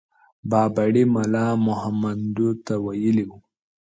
بابړي ملا مهمندو ته ويلي وو.